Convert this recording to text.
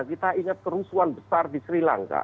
kita ingat kerusuhan besar di sri lanka